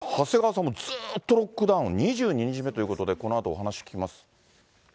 それから、特派員で行ってる長谷川さんもずーっとロックダウン、２２日目ということで、このあと、お話聞きます。